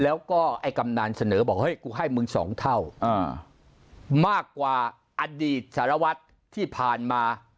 แล้วก็กำนาสน์เสนอบอกให้มึงสองเท่ามากกว่าอดีตสรวจที่ผ่านมา